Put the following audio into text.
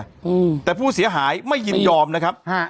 อืมแต่ผู้เสียหายไม่ยินยอมนะครับฮะ